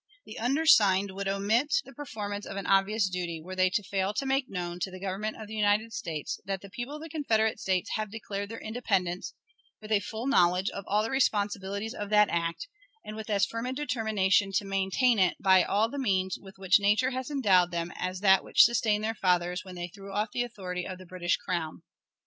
The undersigned would omit the performance of an obvious duty, were they to fail to make known to the Government of the United States that the people of the Confederate States have declared their independence with a full knowledge of all the responsibilities of that act, and with as firm a determination to maintain it by all the means with which nature has endowed them as that which sustained their fathers when they threw off the authority of the British Crown.